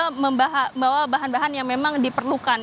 lalu kemudian juga membawa bahan bahan yang memang diperlukan